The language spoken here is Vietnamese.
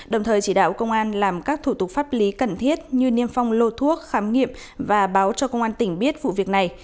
đồng thời chỉ đạo công an làm các thủ tục pháp lý cần thiết như niêm phong lô thuốc khám nghiệm và báo cho công an tỉnh biết vụ việc này